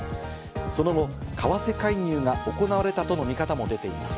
その後、為替介入が行われたとの見方も出ています。